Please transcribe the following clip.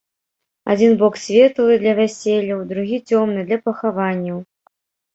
Адзін бок светлы, для вяселляў, другі цёмны, для пахаванняў.